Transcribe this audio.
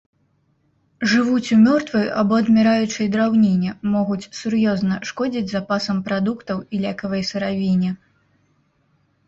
Жывуць у мёртвай або адміраючай драўніне, могуць сур'ёзна шкодзіць запасам прадуктаў і лекавай сыравіне.